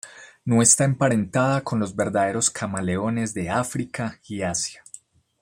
No está emparentada con los verdaderos camaleones de África y Asia.